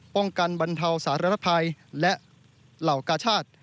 บรรเทาสารภัยและเหล่ากาชาติ